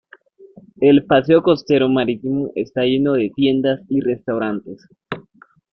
El paseo costero marítimo está lleno de tiendas y restaurantes.